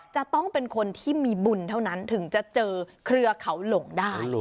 จะต้องเป็นคนที่มีบุญเท่านั้นถึงจะเจอเครือเขาหลงได้